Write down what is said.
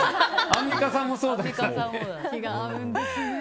アンミカさんもそうだよね。